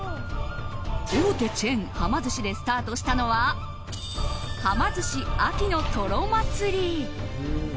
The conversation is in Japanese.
大手チェーンはま寿司でスタートしたのははま寿司秋のとろ祭り。